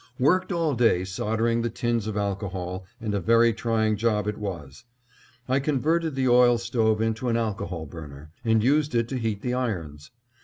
Worked all day soldering the tins of alcohol, and a very trying job it was. I converted the oil stove into an alcohol burner, and used it to heat the irons.